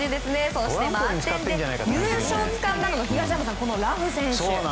そして満点で優勝をつかんだのが東山さん、このラフ選手。